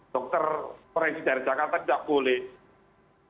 dokter presiden jakarta tidak boleh